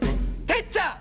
てっちゃん！